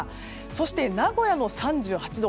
そして、名古屋の３８度。